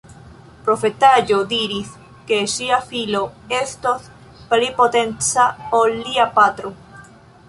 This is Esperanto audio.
Profetaĵo diris, ke ŝia filo estos pli potenca ol lia patro.